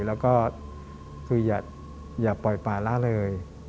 และอย่าปล่อยปลาร่าเลย